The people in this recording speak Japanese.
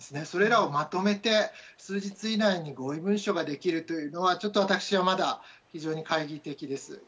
それらをまとめて数日以内に合意文書ができるというのはちょっと私はまだ非常に懐疑的です。